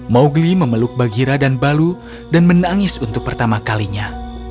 mowgli memeluk bagira dan balu dan menangis untuk pertama kalinya